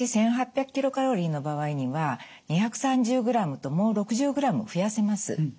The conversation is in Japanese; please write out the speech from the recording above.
１日１８００ｋｃａｌの場合には２３０ｇともう６０ｇ増やせます。